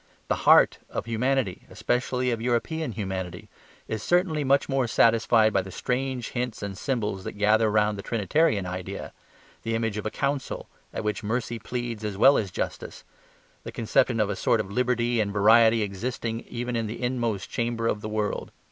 The HEART of humanity, especially of European humanity, is certainly much more satisfied by the strange hints and symbols that gather round the Trinitarian idea, the image of a council at which mercy pleads as well as justice, the conception of a sort of liberty and variety existing even in the inmost chamber of the world.